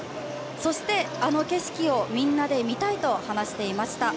そして、あの景色をみんなで見たいと話していました。